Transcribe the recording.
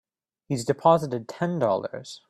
He's deposited Ten Dollars.